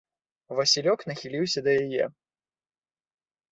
Васілёк нахіліўся да яе.